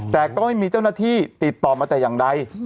แต่ก็ไม่มีเจ้าหน้าที่ติดต่อมาแต่อย่างใด